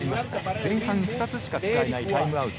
前半２つしか使えないタイムアウト。